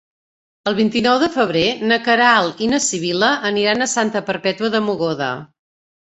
El vint-i-nou de febrer na Queralt i na Sibil·la aniran a Santa Perpètua de Mogoda.